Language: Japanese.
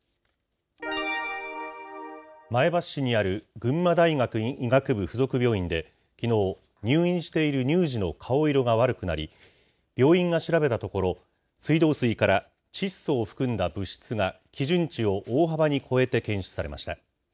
前橋市にある群馬大学医学部附属病院で、きのう、入院している乳児の顔色が悪くなり、病院が調べたところ、水道水から窒素を含んだ物質が基準値を大幅に超えて検出されました。